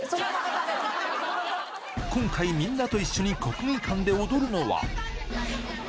今回、みんなと一緒に国技館で踊るのは。